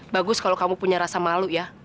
bagus kalau kamu punya rasa malu ya